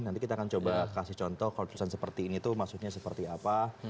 nanti kita akan coba kasih contoh kalau perusahaan seperti ini tuh maksudnya seperti apa